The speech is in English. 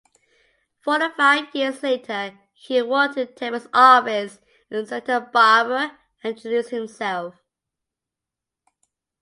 Forty-five years later he walked into Tebbett's office in Santa Barbara and introduced himself.